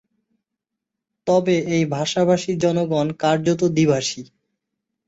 তবে এই ভাষাভাষী জনগণ কার্যত দ্বিভাষী।